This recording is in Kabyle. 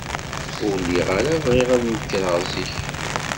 Ur lliɣ ara bɣiɣ ad nekreɣ zik.